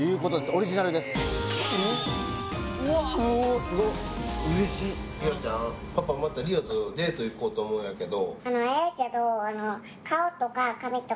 オリジナルですすご嬉しっ・りおちゃんパパまたりおとデート行こうと思うんやけど・